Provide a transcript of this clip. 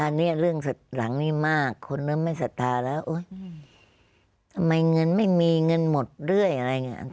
อันนี้เรื่องหลังนี้มากคนเริ่มไม่ศรัทธาแล้วทำไมเงินไม่มีเงินหมดเรื่อยอะไรอย่างนี้